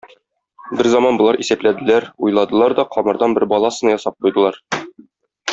Берзаман болар исәпләделәр, уйладылар да камырдан бер бала сыны ясап куйдылар.